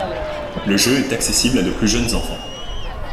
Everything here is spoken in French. Le jeu est accessible à de plus jeunes enfants.